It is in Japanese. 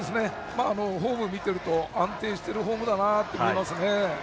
フォーム見ていると安定しているフォームに見えます。